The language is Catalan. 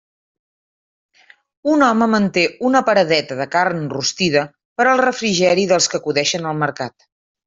Un home manté una paradeta de carn rostida per al refrigeri dels que acudeixen al mercat.